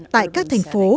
tại các thành phố